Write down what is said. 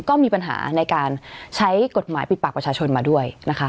ก็มีปัญหาในการใช้กฎหมายปิดปากประชาชนมาด้วยนะคะ